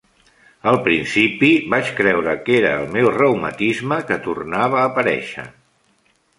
Al principi vaig creure que era el meu reumatisme que tornava a aparèixer.